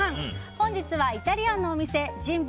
本日はイタリアンのお店ジンボ